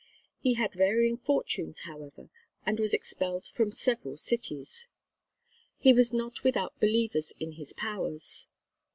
He had varying fortunes, however, and was expelled from several cities. He was not without believers in his powers.